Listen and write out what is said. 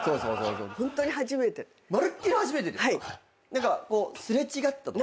何かこう擦れ違ったとか？